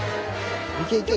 いけいけ！